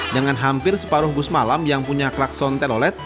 dengan hampir separuh bus malam yang punya klakson telolet